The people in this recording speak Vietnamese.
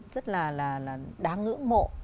rất là đáng ưỡng mộ